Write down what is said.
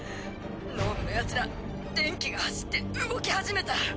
脳無のヤツら電気が走って動き始めた！